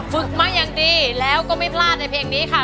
ฝึกมาอย่างดีแล้วก็ไม่พลาดในเพลงนี้ค่ะ